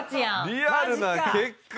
リアルな結果。